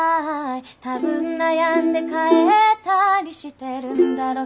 「多分悩んで変えたりしてるんだろう